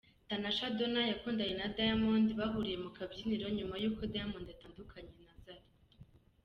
Tanasha Donna yakundanye na Diamond bahuriye mu kabyiniro nyuma y’ uko Diamond atandukanye Zari.